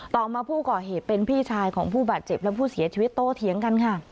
ต่อมาผู้ก่อเหตุเป็นพี่ชายของผู้บาดเจ็บและผู้เสียชีวิตโตเถียงกันค่ะ